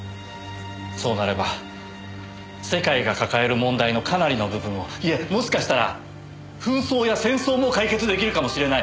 そうなれば世界が抱える問題のかなりの部分をいえもしかしたら紛争や戦争も解決できるかもしれない。